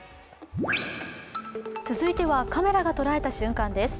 続いては、カメラが捉えた瞬間です。